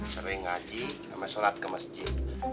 sering ngaji sama sholat ke masjid